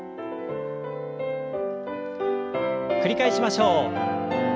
繰り返しましょう。